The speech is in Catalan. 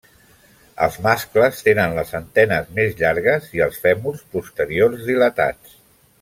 Els mascles tenen les antenes més llargues i els fèmurs posteriors dilatats.